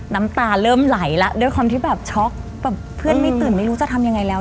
น้ำตาเริ่มไหลแล้วด้วยความที่แบบช็อกแบบเพื่อนไม่ตื่นไม่รู้จะทำยังไงแล้ว